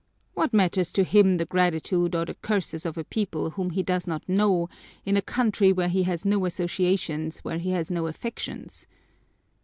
What matters to him the gratitude or the curses of a people whom he does not know, in a country where he has no associations, where he has no affections?